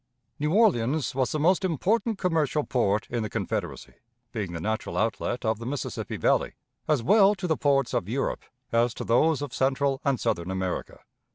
New Orleans was the most important commercial port in the Confederacy, being the natural outlet of the Mississippi Valley, as well to the ports of Europe as to those of Central and Southern America.